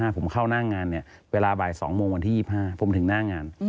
ผมเข้าหน้างานเวลาบ่าย๒โมงวันที่๒๕ผมถึงหน้างาน